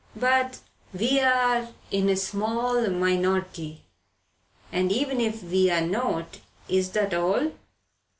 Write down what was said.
But we are in a small minority. And even if we were not is that all?"